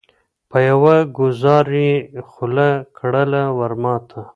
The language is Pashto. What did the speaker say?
په یوه گوزار یې خوله کړله ورماته